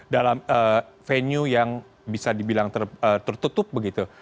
dalam venue yang bisa dibilang tertutup begitu